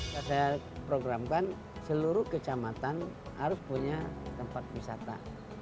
saya programkan seluruh kecamatan harus punya tempat wisata